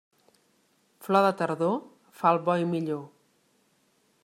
Flor de tardor fa el bo i millor.